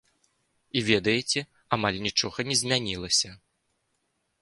І ведаеце, амаль нічога не змянілася.